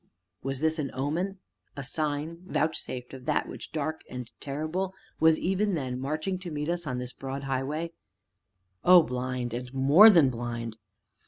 Was this an omen a sign vouchsafed of that which, dark and terrible, was, even then, marching to meet us upon this Broad Highway? O Blind, and more than blind!